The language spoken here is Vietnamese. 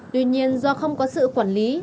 tuy nhiên do không có sự quản lý